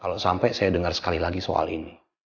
kalo sampe saya dengar sekali lagi soal ini